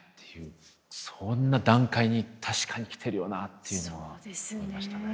そんな段階に確かに来てるよなっていうのは思いましたね。